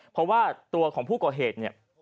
เพราะว่าตัวของผู้ก่อเหตุเนี่ย